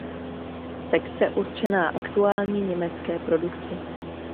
Sekce určená aktuální německé produkci.